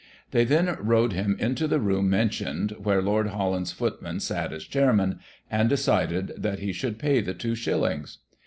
They then rode him into the room mentioned, where Lord Holland's footman sat as chairman, and decided that he should pay two shillings.